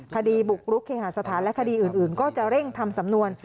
คดีบุกรุกเคหาสถานและคดีอื่นก็จะเร่งทำสำนวน